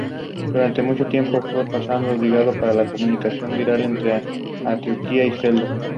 Suele ser una salsa servida caliente que acompaña los platos principales.